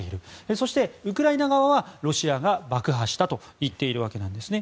そして、ウクライナ側はロシアが爆破したと言っているわけなんですね。